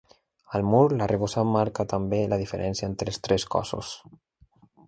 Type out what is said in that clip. Al mur, l'arrebossat marca també la diferència entre els tres cossos.